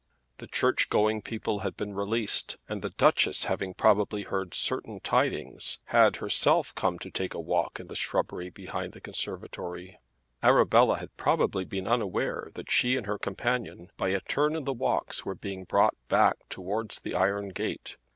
The church going people had been released, and the Duchess having probably heard certain tidings, had herself come to take a walk in the shrubbery behind the conservatory. Arabella had probably been unaware that she and her companion by a turn in the walks were being brought back towards the iron gate.